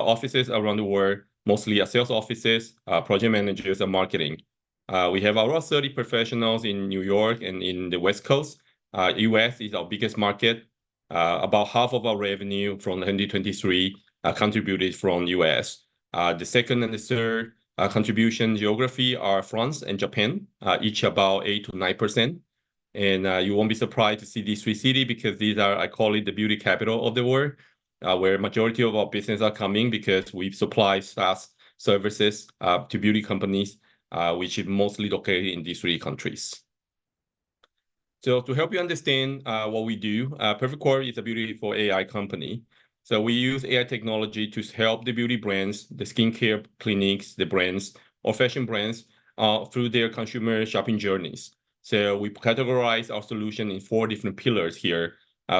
Offices around the world, mostly sales offices, project managers, and marketing. We have around 30 professionals in New York and in the West Coast. The U.S. is our biggest market. About half of our revenue from 2023 contributed from the U.S. The second and the third contribution geography are France and Japan, each about 8%-9%. You won't be surprised to see these three cities because these are, I call it, the beauty capital of the world, where a majority of our businesses are coming because we supply SaaS services to beauty companies, which are mostly located in these three countries. To help you understand what we do, Perfect Corp. is a beauty for AI company. We use AI technology to help the beauty brands, the skincare clinics, the brands, or fashion brands through their consumer shopping journeys. So we categorize our solution in four different pillars here.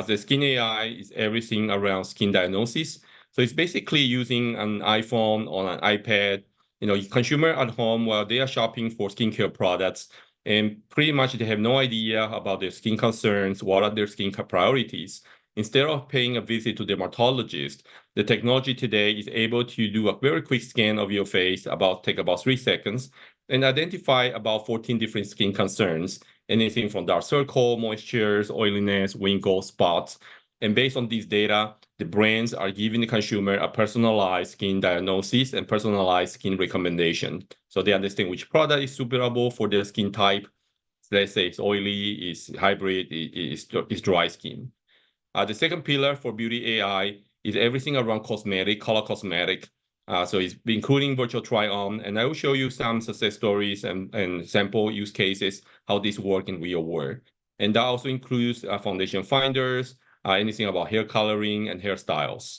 The Skin AI is everything around skin diagnosis. So it's basically using an iPhone or an iPad, you know, consumer at home while they are shopping for skincare products. And pretty much they have no idea about their skin concerns, what are their skin priorities. Instead of paying a visit to a dermatologist, the technology today is able to do a very quick scan of your face, take about three seconds, and identify about 14 different skin concerns, anything from dark circles, moisture, oiliness, wrinkles, spots. And based on this data, the brands are giving the consumer a personalized skin diagnosis and personalized skin recommendation. So they understand which product is suitable for their skin type. Let's say it's oily, it's hybrid, it's dry skin. The second pillar for Beauty AI is everything around color cosmetics. So it's including virtual try-on, and I will show you some success stories and sample use cases, how this works in real world. And that also includes foundation finders, anything about hair coloring and hairstyles.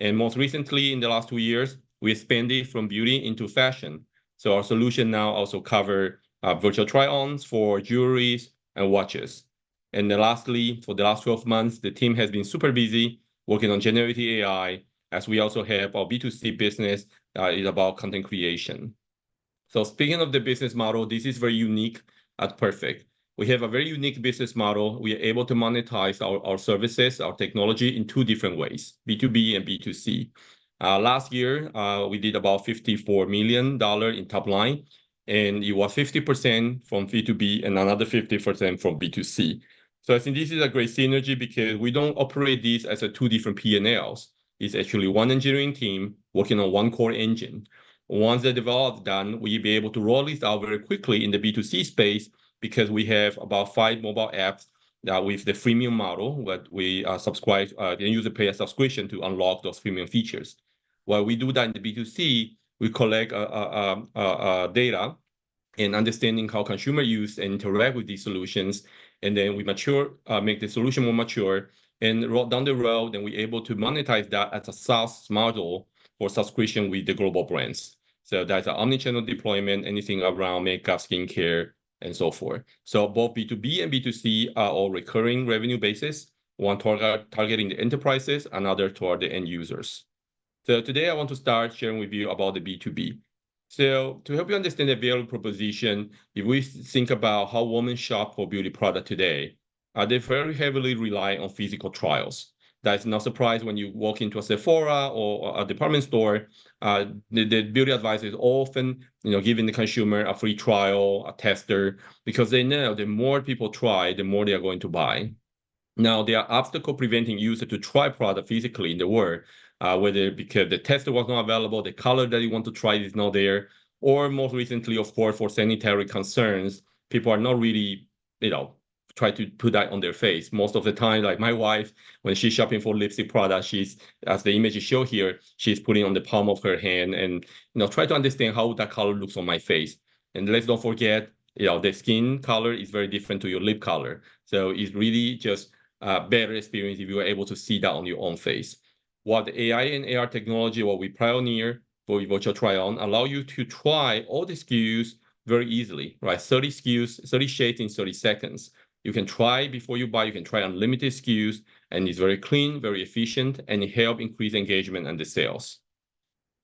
And most recently, in the last two years, we expanded from beauty into fashion. So our solution now also covers virtual try-ons for jewelry and watches. And then lastly, for the last 12 months, the team has been super busy working on generative AI, as we also have our B2C business that is about content creation. So speaking of the business model, this is very unique at Perfect. We have a very unique business model. We are able to monetize our services, our technology in two different ways, B2B and B2C. Last year, we did about $54 million in top line. And it was 50% from B2B and another 50% from B2C. So I think this is a great synergy because we don't operate this as two different P&Ls. It's actually one engineering team working on one core engine. Once the development is done, we'll be able to roll this out very quickly in the B2C space because we have about five mobile apps with the freemium model that we subscribe. The user pays a subscription to unlock those freemium features. While we do that in the B2C, we collect data and understand how consumers use and interact with these solutions. Then we mature, make the solution more mature. Down the road, then we're able to monetize that as a SaaS model for subscription with the global brands. So that's an omnichannel deployment, anything around makeup, skincare, and so forth. So both B2B and B2C are all recurring revenue bases. One targeting the enterprises, another toward the end users. So today I want to start sharing with you about the B2B. To help you understand the available proposition, if we think about how women shop for beauty products today, they very heavily rely on physical trials. That's no surprise when you walk into a Sephora or a department store. The beauty advisor is often, you know, giving the consumer a free trial, a tester, because they know the more people try, the more they are going to buy. Now, there are obstacles preventing users to try products physically in the world, whether because the tester was not available, the color that you want to try is not there. Or most recently, of course, for sanitary concerns, people are not really, you know, trying to put that on their face. Most of the time, like my wife, when she's shopping for lipstick products, she's, as the image is shown here, she's putting it on the palm of her hand and, you know, trying to understand how that color looks on my face. Let's not forget, you know, the skin color is very different from your lip color. It's really just a better experience if you are able to see that on your own face. What AI and AR technology, what we pioneer for virtual try-on, allows you to try all the SKUs very easily, right? 30 SKUs, 30 shades in 30 seconds. You can try before you buy, you can try unlimited SKUs. And it's very clean, very efficient, and it helps increase engagement and the sales.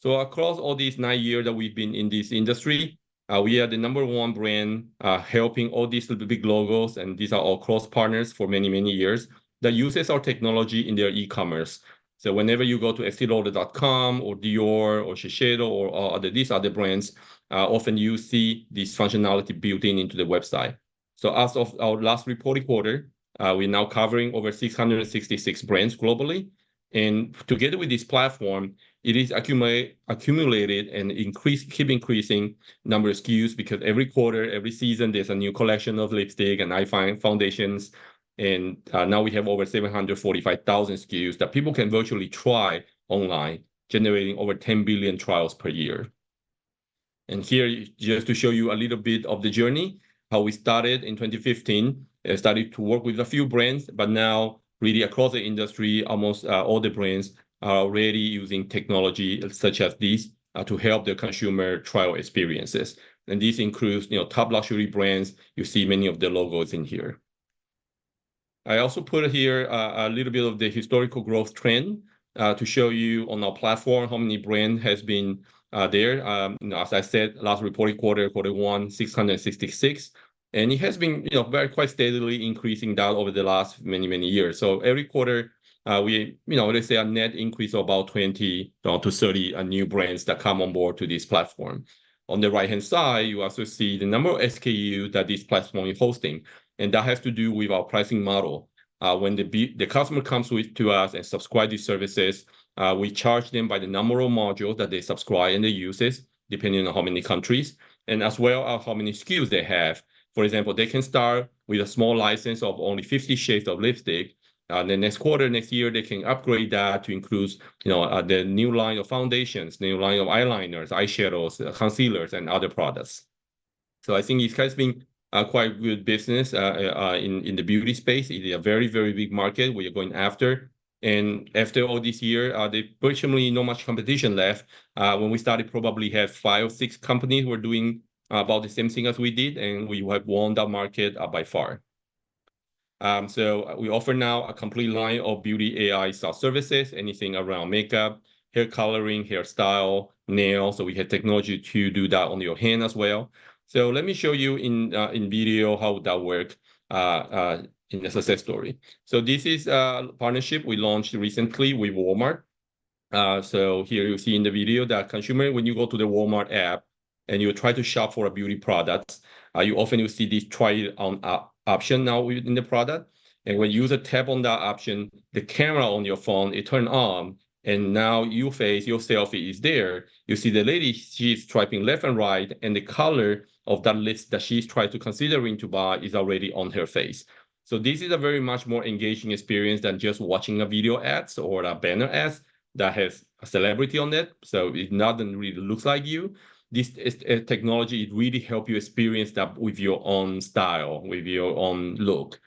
So across all these nine years that we've been in this industry, we are the number one brand helping all these little big logos, and these are all cross-partners for many, many years that use our technology in their e-commerce. So whenever you go to esteelauder.com or Dior or Shiseido or these other brands, often you see this functionality built into the website. So as of our last reporting quarter, we're now covering over 666 brands globally. And together with this platform, it has accumulated and keeps increasing the number of SKUs because every quarter, every season, there's a new collection of lipstick and eye foundations. And now we have over 745,000 SKUs that people can virtually try online, generating over 10 billion trials per year. Here just to show you a little bit of the journey, how we started in 2015, started to work with a few brands, but now really across the industry, almost all the brands are already using technology such as this to help their consumer trial experiences. This includes, you know, top luxury brands. You see many of the logos in here. I also put here a little bit of the historical growth trend to show you on our platform how many brands have been there. As I said, last reporting quarter, quarter one, 666. And it has been, you know, very quite steadily increasing that over the last many, many years. Every quarter, we, you know, let's say a net increase of about 20-30 new brands that come on board to this platform. On the right-hand side, you also see the number of SKUs that this platform is hosting. That has to do with our pricing model. When the customer comes to us and subscribes to services, we charge them by the number of modules that they subscribe and they use, depending on how many countries, and as well as how many SKUs they have. For example, they can start with a small license of only 50 shades of lipstick. Then next quarter, next year, they can upgrade that to include, you know, the new line of foundations, new line of eyeliners, eyeshadows, concealers, and other products. So I think it's been quite good business in the beauty space. It's a very, very big market we are going after. After all this year, there's virtually no much competition left. When we started, probably 5, 6 companies were doing about the same thing as we did, and we have won that market by far. So we offer now a complete line of beauty AI SaaS services, anything around makeup, hair coloring, hairstyle, nails. So we have technology to do that on your hand as well. So let me show you in video how that works. In the success story. So this is a partnership we launched recently with Walmart. So here you see in the video that consumers, when you go to the Walmart app, and you try to shop for a beauty product, you often will see this try it on option now in the product. And when you use a tap on that option, the camera on your phone, it turns on. And now your face, your selfie is there. You see the lady, she's swiping left and right, and the color off that list that she's trying to consider to buy is already on her face. So this is a very much more engaging experience than just watching a video ads or a banner ads that has a celebrity on it. So it doesn't really look like you. This technology really helps you experience that with your own style, with your own look.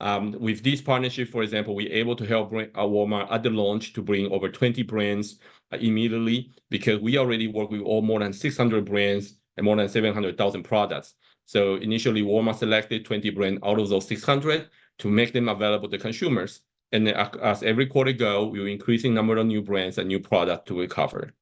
With this partnership, for example, we're able to help Walmart at the launch to bring over 20 brands immediately because we already work with more than 600 brands and more than 700,000 products. So initially, Walmart selected 20 brands out of those 600 to make them available to consumers. And then as every quarter goes, we're increasing the number of new brands and new products to recover.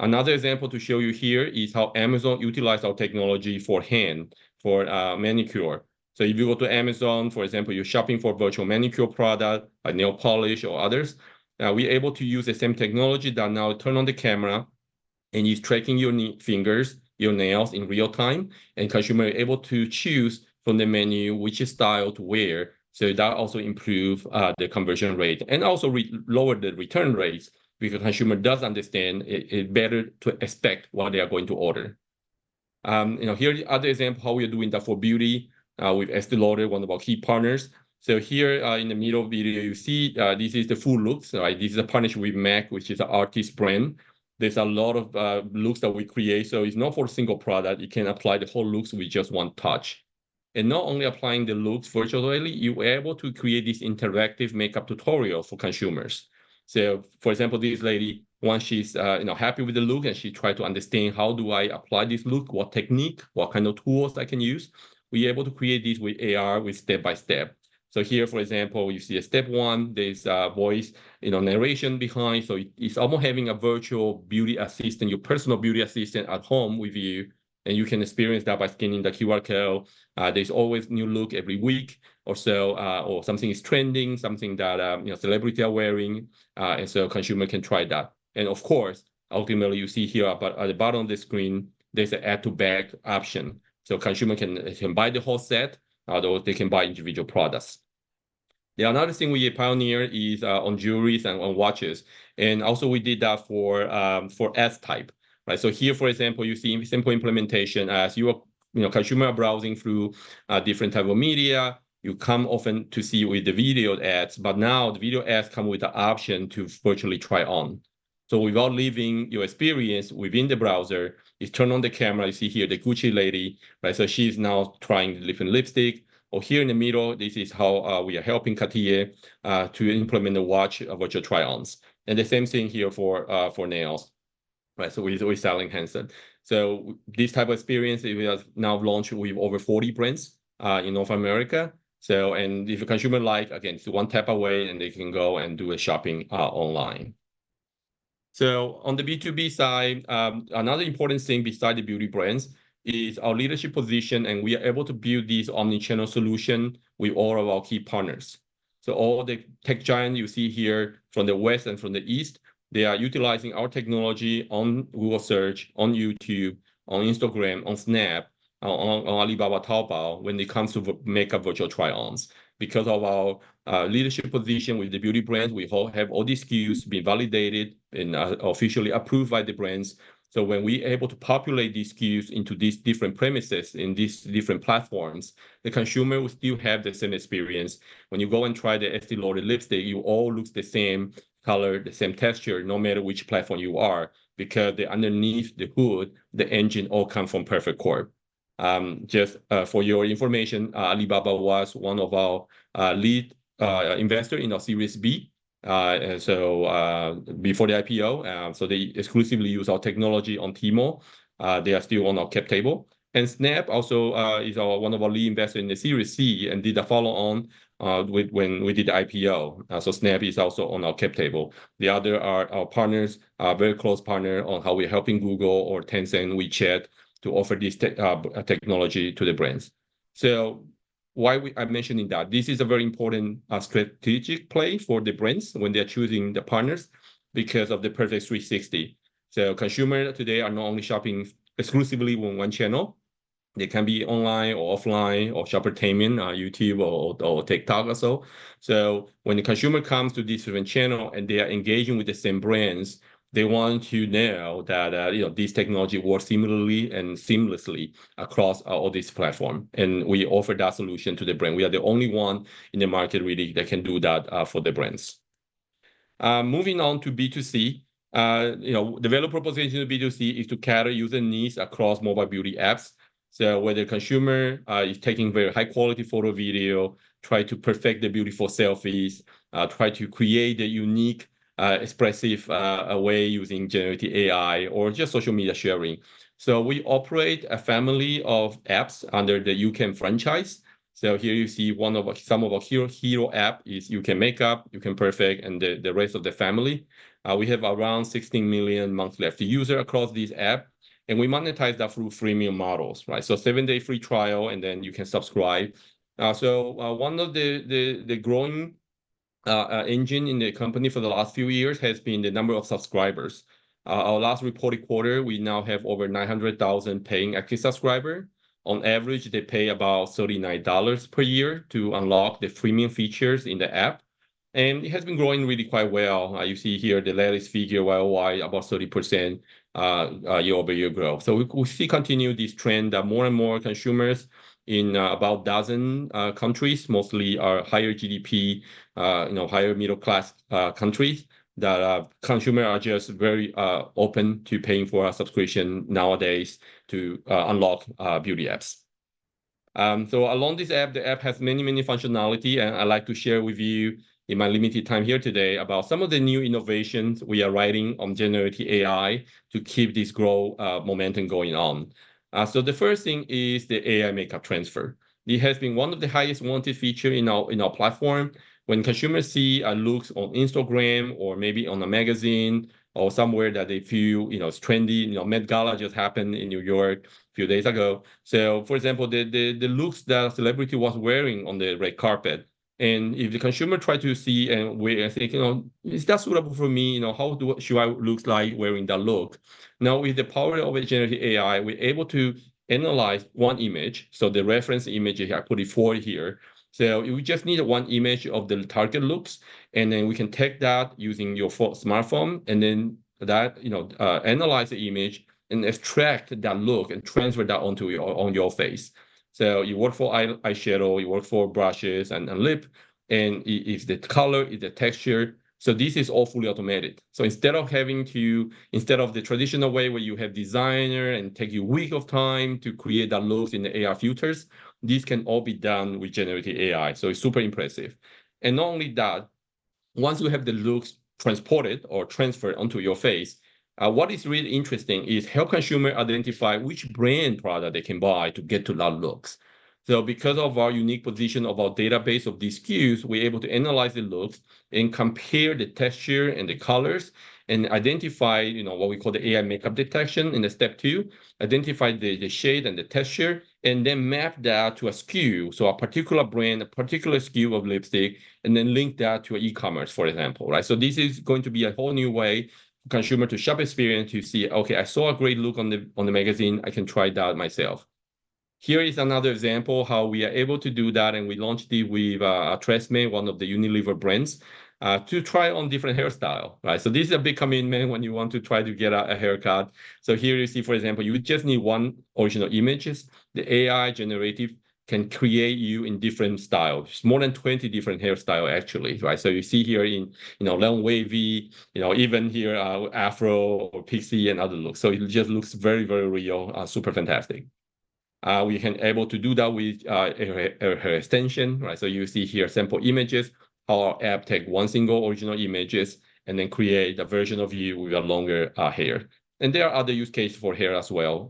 Another example to show you here is how Amazon utilizes our technology for hand for manicure. So if you go to Amazon, for example, you're shopping for a virtual manicure product, a nail polish, or others. We're able to use the same technology that now turns on the camera. And it's tracking your fingers, your nails in real time, and consumers are able to choose from the menu which style to wear. So that also improves the conversion rate and also lowers the return rates because consumers do understand it's better to expect what they are going to order. You know, here's another example of how we're doing that for beauty with Estée Lauder, one of our key partners. So here in the middle of the video, you see this is the full looks. This is a partnership with MAC, which is an artist brand. There's a lot of looks that we create. So it's not for a single product. You can apply the whole looks with just one touch. And not only applying the looks virtually, you're able to create this interactive makeup tutorial for consumers. So, for example, this lady, once she's, you know, happy with the look and she tried to understand how do I apply this look, what technique, what kind of tools I can use. We're able to create this with AI, with step by step. So here, for example, you see step one, there's voice, you know, narration behind. So it's almost having a virtual beauty assistant, your personal beauty assistant at home with you. And you can experience that by scanning the QR code. There's always a new look every week or so, or something is trending, something that, you know, celebrities are wearing. So consumers can try that. Of course, ultimately, you see here at the bottom of the screen, there's an add to bag option. So consumers can buy the whole set, although they can buy individual products. The other thing we pioneered is on jewelry and on watches. Also we did that for [F-type]. Right? So here, for example, you see simple implementation as you are, you know, consumers are browsing through different types of media. You can often see with the video ads, but now the video ads come with the option to virtually try on. So without leaving your experience within the browser, you turn on the camera. You see here the Gucci lady, right? So she's now trying different lipsticks. Or here in the middle, this is how we are helping Cartier to implement the watch virtual try-ons. And the same thing here for nails. Right? So with Sally Hansen. So this type of experience, we have now launched with over 40 brands in North America. So, and if a consumer likes, again, it's one tap away and they can go and do shopping online. So on the B2B side, another important thing besides the beauty brands is our leadership position, and we are able to build this omnichannel solution with all of our key partners. So all the tech giants you see here from the west and from the east, they are utilizing our technology on Google Search, on YouTube, on Instagram, on Snap, on Alibaba, Taobao when it comes to makeup virtual try-ons. Because of our leadership position with the beauty brands, we all have all these SKUs been validated and officially approved by the brands. So when we're able to populate these SKUs into these different premises in these different platforms, the consumer will still have the same experience. When you go and try the Estée Lauder lipstick, it all looks the same color, the same texture, no matter which platform you are, because underneath the hood, the engine all comes from Perfect Corp. Just for your information, Alibaba was one of our lead investors in our Series B. And so before the IPO, so they exclusively use our technology on Tmall. They are still on our cap table. And Snap also is one of our lead investors in the Series C and did a follow-on when we did the IPO. So Snap is also on our cap table. The other partners are very close partners on how we're helping Google or Tencent, WeChat, to offer this technology to the brands. So why I'm mentioning that this is a very important strategic play for the brands when they're choosing the partners because of the perfect 360. Consumers today are not only shopping exclusively on one channel. They can be online or offline or Shoppertainment, YouTube or TikTok or so. When the consumer comes to this different channel and they are engaging with the same brands, they want to know that, you know, this technology works similarly and seamlessly across all these platforms. We offer that solution to the brand. We are the only one in the market really that can do that for the brands. Moving on to B2C, you know, the value proposition of B2C is to cater user needs across mobile beauty apps. So where the consumer is taking very high-quality photos, videos, trying to perfect the beautiful selfies, trying to create a unique, expressive way using generative AI or just social media sharing. So we operate a family of apps under the YouCam franchise. So here you see one of some of our hero apps is YouCam Makeup, YouCam Perfect, and the rest of the family. We have around 16 million monthly active users across this app. And we monetize that through freemium models, right? So one of the growing engines in the company for the last few years has been the number of subscribers. Our last reporting quarter, we now have over 900,000 paying active subscribers. On average, they pay about $39 per year to unlock the freemium features in the app. And it has been growing really quite well. You see here the latest figure worldwide, about 30% year-over-year growth. So we see continue this trend that more and more consumers in about a dozen countries, mostly are higher GDP, you know, higher middle-class countries that consumers are just very open to paying for a subscription nowadays to unlock beauty apps. So along this app, the app has many, many functionalities, and I'd like to share with you in my limited time here today about some of the new innovations we are writing on generative AI to keep this growth momentum going on. So the first thing is the AI Makeup Transfer. It has been one of the highest wanted features in our platform. When consumers see looks on Instagram or maybe on a magazine or somewhere that they feel, you know, it's trendy, you know, Met Gala just happened in New York a few days ago. So, for example, the looks that a celebrity was wearing on the red carpet. And if the consumer tried to see and we're thinking, you know, is that suitable for me? You know, how should I look like wearing that look? Now, with the power of generative AI, we're able to analyze one image. So the reference image I put before here. So we just need one image of the target looks. And then we can take that using your smartphone and then that, you know, analyze the image and extract that look and transfer that onto your face. So you work for eyeshadow, you work for brushes and lip. And if the color is the texture. So this is all fully automated. So instead of the traditional way where you have designers and take you a week of time to create that look in the AI filters, this can all be done with generative AI. So it's super impressive. And not only that. Once you have the looks transported or transferred onto your face, what is really interesting is help consumers identify which brand product they can buy to get to that looks. So because of our unique position of our database of these SKUs, we're able to analyze the looks and compare the texture and the colors and identify, you know, what we call the AI makeup detection in step two, identify the shade and the texture, and then map that to a SKU. So a particular brand, a particular SKU of lipstick, and then link that to e-commerce, for example, right? So this is going to be a whole new way for consumers to shop experience to see, okay, I saw a great look on the magazine. I can try that myself. Here is another example of how we are able to do that. And we launched it with TRESemmé, one of the Unilever brands. To try on different hairstyles, right? So this is a big commitment when you want to try to get a haircut. So here you see, for example, you would just need one original image. The AI generative can create you in different styles. It's more than 20 different hairstyles, actually, right? So you see here in, you know, long wavy, you know, even here Afro or pixie and other looks. So it just looks very, very real, super fantastic. We can be able to do that with hair extension, right? So you see here sample images. Our app takes one single original image and then creates a version of you with a longer hair. There are other use cases for hair as well.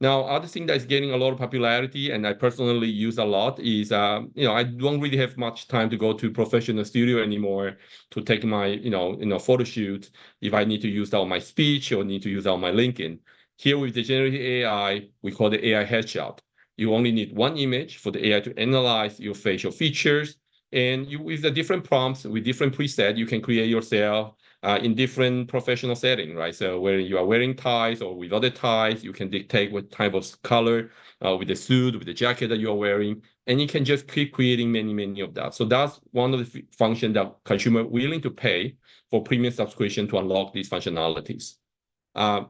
Now, other thing that's getting a lot of popularity and I personally use a lot is, you know, I don't really have much time to go to a professional studio anymore to take my, you know, you know, photo shoot if I need to use all my speech or need to use all my LinkedIn. Here with the generative AI, we call the AI headshot. You only need one image for the AI to analyze your facial features. And with the different prompts, with different presets, you can create yourself in different professional settings, right? So where you are wearing ties or with other ties, you can dictate what type of color with the suit, with the jacket that you're wearing. You can just keep creating many, many of that. So that's one of the functions that consumers are willing to pay for premium subscriptions to unlock these functionalities.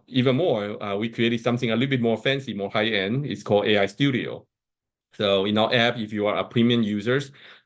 Even more, we created something a little bit more fancy, more high-end. It's called AI Studio. So in our app, if you are a premium user,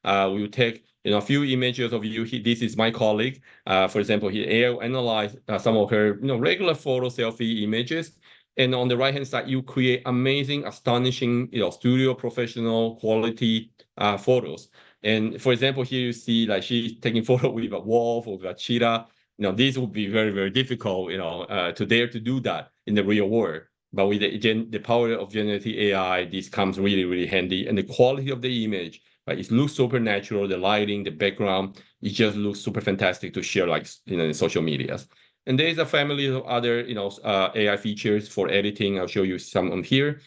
we'll take, you know, a few images of you. This is my colleague. For example, he analyzed some of her, you know, regular photo selfie images. And on the right-hand side, you create amazing, astonishing, you know, studio professional quality photos. And for example, here you see like she's taking a photo with a wolf or a cheetah. You know, this would be very, very difficult, you know, to dare to do that in the real world. But with the power of generative AI, this comes really, really handy. The quality of the image, right, it looks super natural. The lighting, the background, it just looks super fantastic to share like, you know, in social media. And there's a family of other, you know, AI features for editing. I'll show you some of them here.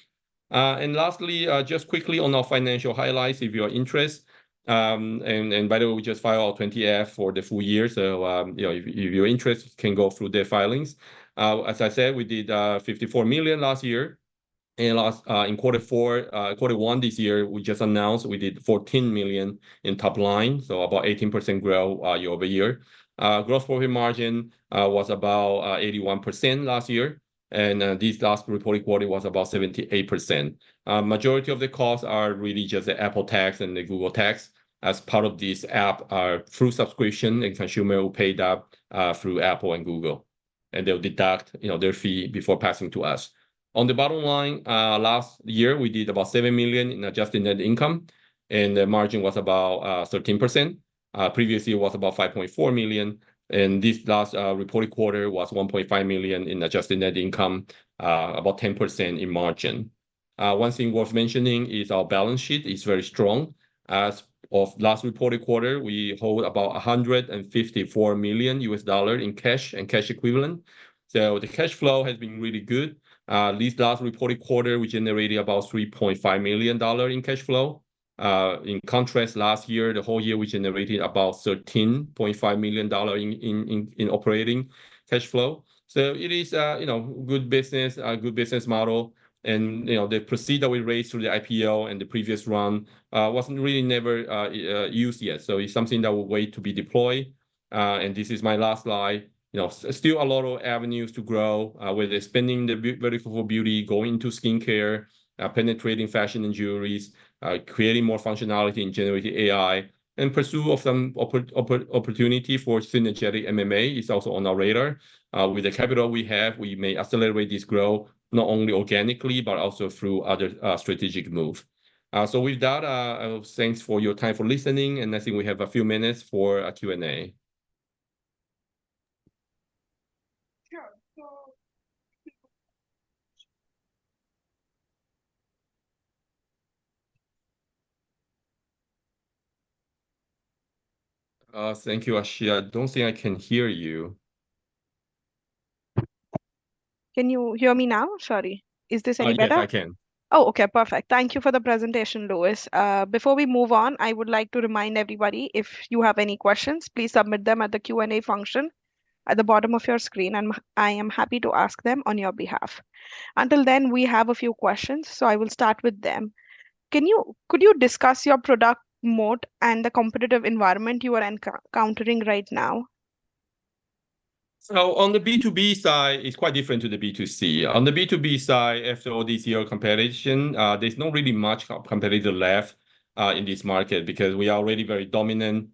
And lastly, just quickly on our financial highlights, if you're interested. And by the way, we just filed our 20-F for the full year. So, you know, if you're interested, you can go through their filings. As I said, we did $54 million last year. And last in quarter four, quarter one this year, we just announced we did $14 million in top line. So about 18% growth year-over-year. Gross profit margin was about 81% last year. And this last reporting quarter was about 78%. Majority of the costs are really just the Apple tax and the Google tax. As part of this app are through subscription and consumers will pay that through Apple and Google. And they'll deduct, you know, their fee before passing to us. On the bottom line, last year, we did about $7 million in adjusted net income. And the margin was about 13%. Previously, it was about $5.4 million. And this last reporting quarter was $1.5 million in adjusted net income. About 10% in margin. One thing worth mentioning is our balance sheet is very strong. As of last reporting quarter, we hold about $154 million in cash and cash equivalent. So the cash flow has been really good. This last reporting quarter, we generated about $3.5 million in cash flow. In contrast, last year, the whole year, we generated about $13.5 million in operating cash flow. So it is, you know, good business, good business model. You know, the proceeds that we raised through the IPO and the previous round wasn't really ever used yet. So it's something that will wait to be deployed. And this is my last slide. You know, still a lot of avenues to grow with expanding the vertical for beauty, going into skincare, penetrating fashion and jewelry, creating more functionality in generative AI. And pursuit of some opportunity for synergistic M&A is also on our radar. With the capital we have, we may accelerate this growth not only organically, but also through other strategic moves. So with that, thanks for your time for listening, and I think we have a few minutes for a Q&A. Sure. So. Thank you, Aashi. I don't think I can hear you. Can you hear me now? Sorry. Is this any better? I can. Oh, okay, perfect. Thank you for the presentation, Louis. Before we move on, I would like to remind everybody, if you have any questions, please submit them at the Q&A function at the bottom of your screen, and I am happy to ask them on your behalf. Until then, we have a few questions, so I will start with them. Can you discuss your product moat and the competitive environment you are encountering right now? So on the B2B side, it's quite different to the B2C. On the B2B side, after all this year of competition, there's not really much competitor left in this market because we are already very dominant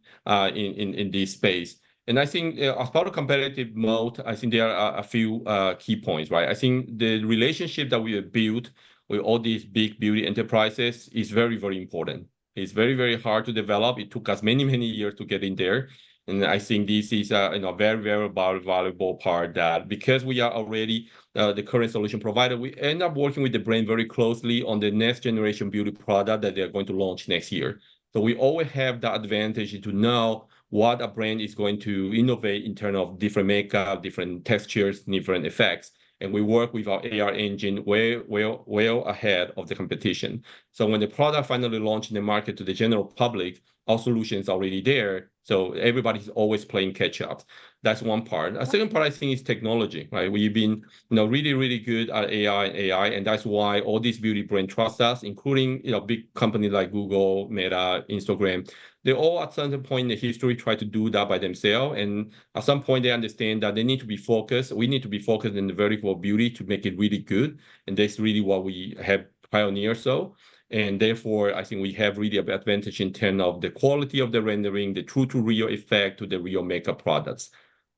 in this space. And I think as part of competitive moat, I think there are a few key points, right? I think the relationship that we have built with all these big beauty enterprises is very, very important. It's very, very hard to develop. It took us many, many years to get in there. And I think this is a very, very valuable part that because we are already the current solution provider, we end up working with the brand very closely on the next generation beauty product that they are going to launch next year. So we always have the advantage to know what a brand is going to innovate in terms of different makeup, different textures, different effects. And we work with our AR engine well, well, well ahead of the competition. So when the product finally launched in the market to the general public, our solutions are already there. So everybody's always playing catch-up. That's one part. A second part, I think, is technology, right? We've been, you know, really, really good at AI and AI, and that's why all these beauty brands trust us, including, you know, big companies like Google, Meta, Instagram. They all at some point in the history tried to do that by themselves, and at some point they understand that they need to be focused. We need to be focused in the vertical of beauty to make it really good. And that's really what we have pioneered so. And therefore, I think we have really an advantage in terms of the quality of the rendering, the true-to-real effect to the real makeup products.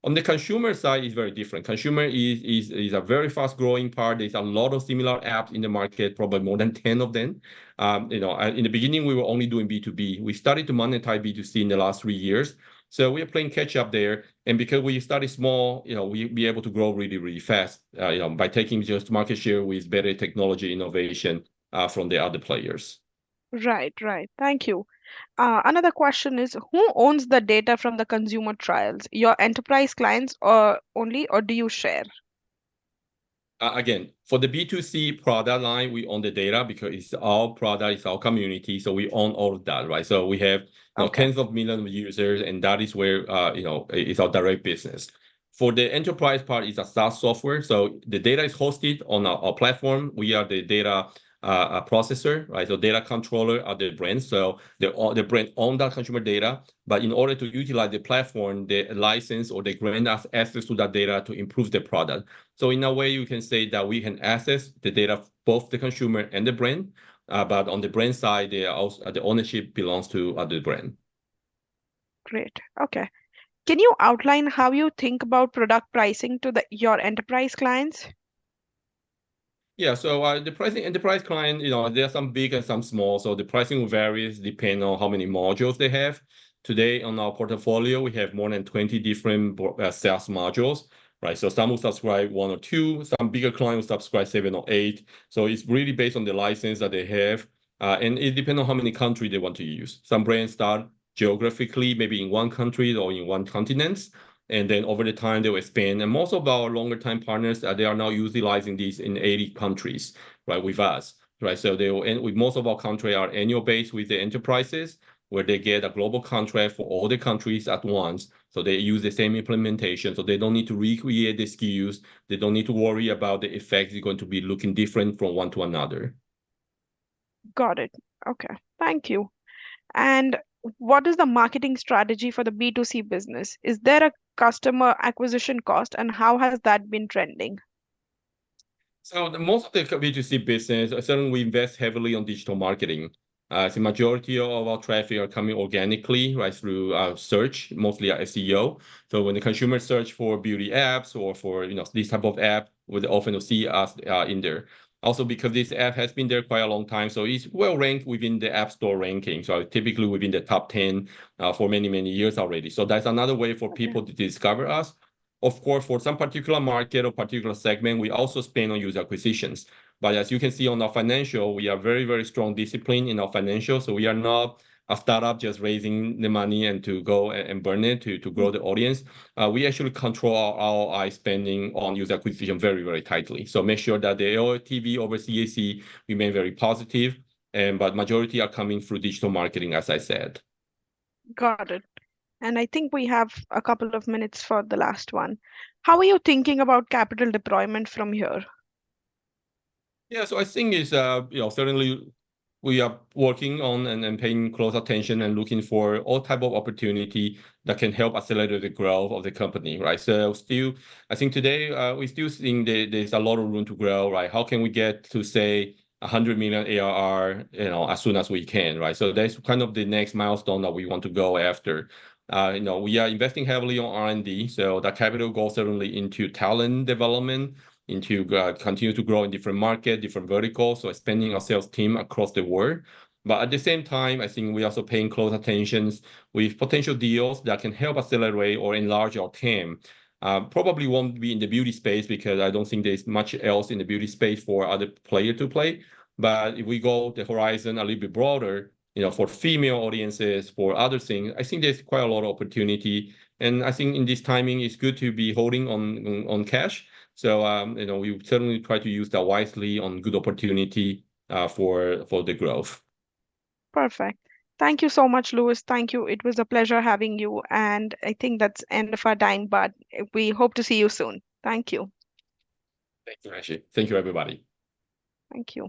On the consumer side, it's very different. Consumer is a very fast-growing part. There's a lot of similar apps in the market, probably more than 10 of them. You know, in the beginning, we were only doing B2B. We started to monetize B2C in the last three years. So we are playing catch-up there. And because we started small, you know, we'll be able to grow really, really fast, you know, by taking just market share with better technology innovation from the other players. Right, right. Thank you. Another question is, who owns the data from the consumer trials? Your enterprise clients only, or do you share? Again, for the B2C product line, we own the data because it's our product, it's our community. So we own all of that, right? So we have tens of millions of users, and that is where, you know, it's our direct business. For the enterprise part, it's a SaaS software. So the data is hosted on our platform. We are the data processor, right? So data controller are the brands. So the brand owns that consumer data. But in order to utilize the platform, they license or they grant us access to that data to improve the product. So in a way, you can say that we can access the data, both the consumer and the brand. But on the brand side, the ownership belongs to the brand. Great. Okay. Can you outline how you think about product pricing to your enterprise clients? Yeah, so the pricing enterprise client, you know, there are some big and some small. So the pricing varies depending on how many modules they have. Today on our portfolio, we have more than 20 different sales modules, right? So some will subscribe one or two. Some bigger clients will subscribe seven or eight. So it's really based on the license that they have. And it depends on how many countries they want to use. Some brands start geographically, maybe in one country or in one continent. Then over time, they will expand. Most of our longer-term partners, they are now utilizing these in 80 countries, right, with us, right? So they will end up with most of our contracts are annual-based with the enterprises where they get a global contract for all the countries at once. So they use the same implementation. So they don't need to recreate the SKUs. They don't need to worry about the effects are going to be looking different from one to another. Got it. Okay. Thank you. What is the marketing strategy for the B2C business? Is there a customer acquisition cost, and how has that been trending? Most of the B2C business, certainly we invest heavily on digital marketing. The majority of our traffic are coming organically, right, through search, mostly SEO. So when the consumer searches for beauty apps or for, you know, this type of app, they often will see us in there. Also because this app has been there quite a long time, so it's well ranked within the App Store ranking. So typically within the top 10 for many, many years already. So that's another way for people to discover us. Of course, for some particular market or particular segment, we also spend on user acquisitions. But as you can see on our financials, we are very, very strong disciplined in our financials. So we are not a startup just raising the money and to go and burn it to grow the audience. We actually control our ad spending on user acquisition very, very tightly. So make sure that the LTV over CAC remain very positive. But majority are coming through digital marketing, as I said. Got it. And I think we have a couple of minutes for the last one. How are you thinking about capital deployment from here? Yeah, so I think it's, you know, certainly we are working on and paying close attention and looking for all types of opportunities that can help accelerate the growth of the company, right? So still, I think today, we still think there's a lot of room to grow, right? How can we get to say $100 million ARR, you know, as soon as we can, right? So that's kind of the next milestone that we want to go after. You know, we are investing heavily on R&D. So that capital goes certainly into talent development. Into continue to grow in different markets, different verticals. So expanding our sales team across the world. But at the same time, I think we are also paying close attention with potential deals that can help accelerate or enlarge our team. Probably won't be in the beauty space because I don't think there's much else in the beauty space for other players to play. But if we go the horizon a little bit broader, you know, for female audiences, for other things, I think there's quite a lot of opportunity. And I think in this timing, it's good to be holding on cash. So, you know, we certainly try to use that wisely on good opportunity for the growth. Perfect. Thank you so much, Louis. Thank you. It was a pleasure having you. And I think that's the end of our time, but we hope to see you soon. Thank you. Thank you, Aashi. Thank you, everybody. Thank you.